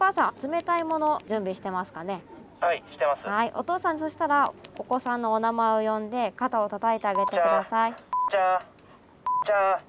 おとうさんそうしたらお子さんのお名前を呼んで肩をたたいてあげて下さい。